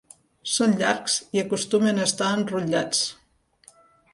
Són llargs i acostumen a estar enrotllats.